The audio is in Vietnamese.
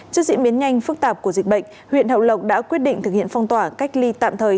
trước diễn biến nhanh phức tạp của dịch bệnh huyện hậu lộc đã quyết định thực hiện phong tỏa cách ly tạm thời